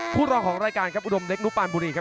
รองของรายการครับอุดมเล็กนุปานบุรีครับ